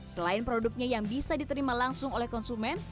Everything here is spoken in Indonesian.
selain produknya yang bisa diterima langsung oleh konsumen